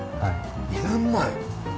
２年前。